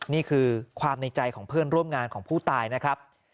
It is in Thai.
นี่คือความในใจของเพื่อนร่วมงานของผู้ตายนะครับ